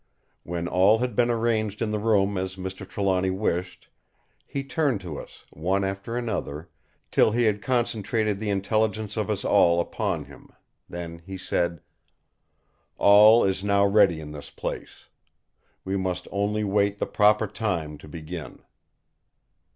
When all had been arranged in the room as Mr. Trelawny wished he turned to us, one after another, till he had concentrated the intelligence of us all upon him. Then he said: "All is now ready in this place. We must only await the proper time to begin."